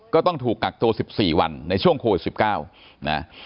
ก็ต้องถูกกักโต๑๔วันในช่วงโควิด๑๙